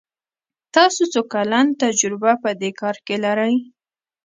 تاسو څو کلن تجربه په دي کار کې لری ؟